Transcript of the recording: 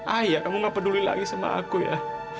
ayah kamu nggak peduli lagi sama aku ya